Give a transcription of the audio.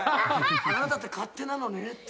「あなたって勝手なのねって」